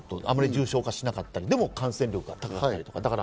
あまり重症化しなかったりでも感染力が高いと。